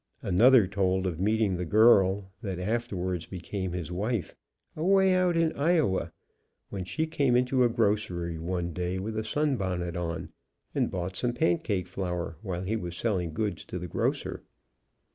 Another told of meeting the girl that after wards became his wife, away out in Iowa, when she came into a grocery one day with a sunbonnet on, and bought some pancake flour, while he was selling goods to the grocer.